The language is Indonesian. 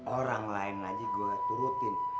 orang lain aja gue turutin